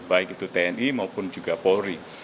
baik itu tni maupun juga polri